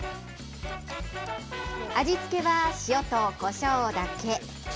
味付けは塩とこしょうだけ。